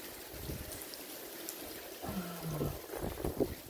په نړۍ کښي تر ټولو آسانه شى چي ژر له منځه ځي؛ واک دئ.